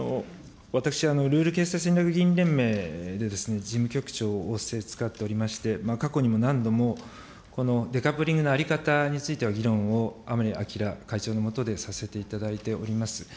私、議員連盟で事務局長を仰せつかっておりまして、過去にも何度も、デカップリングの在り方についての議論を甘利明会長の下でさせていただいております。